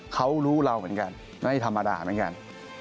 เขารู้เราเหมือนกันไม่ธรรมดาเหมือนกัน